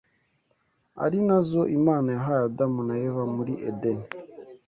ari na zo Imana yahaye Adamu na Eva muri Edeni.